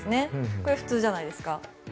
これ、普通じゃないですか。